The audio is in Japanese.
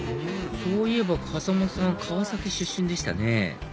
そういえば風間さん川崎出身でしたね